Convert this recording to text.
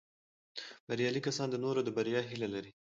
بریالي کسان د نورو د بریا هیله لري